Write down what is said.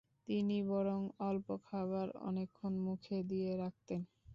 তিনি বরং অল্প খাবার অনেকক্ষণ মুখে দিয়ে রাখতেন।